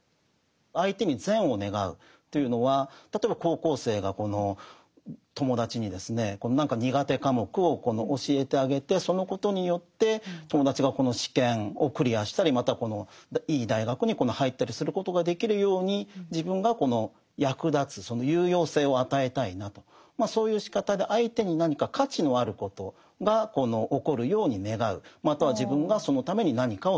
相手に善を願うというのは例えば高校生がこの友達にですね何か苦手科目を教えてあげてそのことによって友達がこの試験をクリアしたりまたいい大学に入ったりすることができるように自分がこの役立つ有用性を与えたいなとそういうしかたでまたは自分がそのために何かをすると。